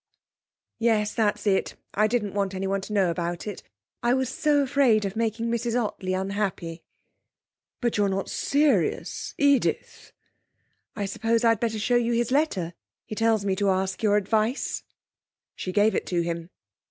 'Yes, that's it; I didn't want anyone to know about it. I'm so afraid of making Mrs Ottley unhappy.' 'But you're not serious, Edith?' 'I suppose I'd better show you his letter. He tells me to ask your advice.' She gave it to him.